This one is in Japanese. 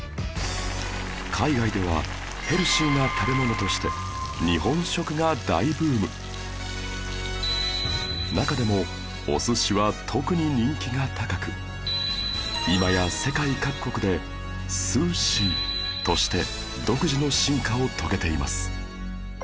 海外ではヘルシーな食べ物として中でもお寿司は特に人気が高く今や世界各国で「ＳＵＳＨＩ」として独自の進化を遂げています